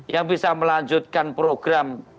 yang bisa melanjutkan program